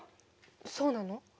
そうなの？